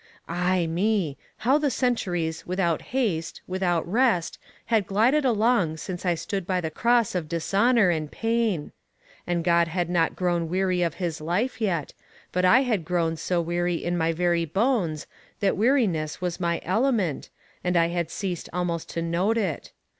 "'Ay me! how the centuries without haste, without rest, had glided along since I stood by the cross of dishonour and pain! And God had not grown weary of his life yet, but I had grown so weary in my very bones that weariness was my element, and I had ceased almost to note it.